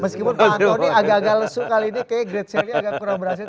meskipun pak antoni agak agak lesu kali ini kayaknya great sale nya agak kurang berhasil